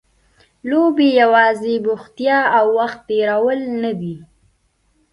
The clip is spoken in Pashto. لوبې یوازې بوختیا او وخت تېرول نه دي.